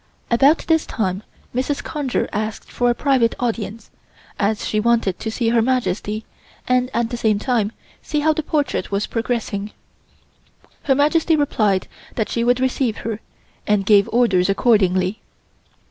About this time Mrs. Conger asked for a private audience, as she wanted to see Her Majesty and at the same time see how the portrait was progressing. Her Majesty replied that she would receive her and gave orders accordingly.